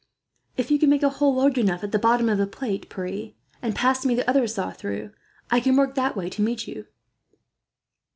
"If you can make a hole large enough at the bottom of the plate, Pierre, and pass me the other saw through, I can work that way to meet you."